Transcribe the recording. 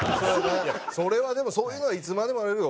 それはでもそういうのはいつまでもあるよ